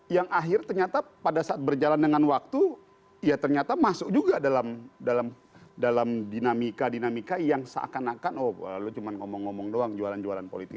yang akhir ternyata pada saat berjalan dengan waktu ya ternyata masuk juga dalam dinamika dinamika yang seakan akan oh lu cuma ngomong ngomong doang jualan jualan politik